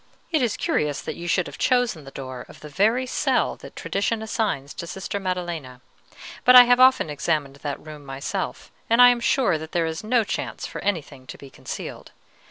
"It is curious that you should have chosen the door of the very cell that tradition assigns to Sister Maddelena; but I have often examined that room myself, and I am sure that there is no chance for anything to be concealed.